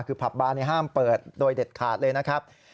คือผับบาร์ห้ามเปิดโดยเด็ดขาดเลยนะครับ